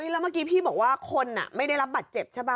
แล้วเมื่อกี้พี่บอกว่าคนไม่ได้รับบัตรเจ็บใช่ป่